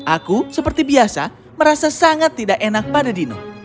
aku seperti biasa merasa sangat tidak enak pada dino